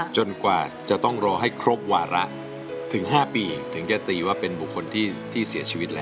กว่าจะต้องรอให้ครบวาระถึง๕ปีถึงจะตีว่าเป็นบุคคลที่เสียชีวิตแล้ว